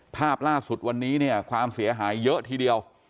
ภาพล่าสุดวันนี้เนี่ยความเสียหายเยอะทีเดียว